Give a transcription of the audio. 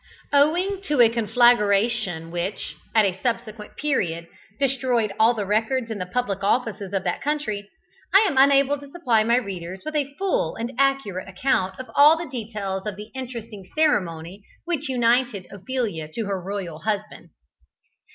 Owing to a conflagration which, at a subsequent period, destroyed all the records in the public offices of that country, I am unable to supply my readers with a full and accurate account of all the details of the interesting ceremony which united Ophelia to her royal husband.